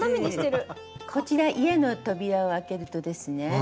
こちら家の扉を開けるとですね